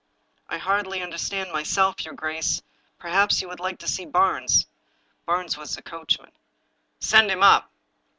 "" I hardly understand myself, your grace. Perhaps you would like to see Barnes." Barnes was the coachman. " Send him up."